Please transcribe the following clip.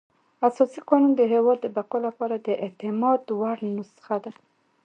اساسي قانون د هېواد د بقا لپاره د اعتماد وړ نسخه وه.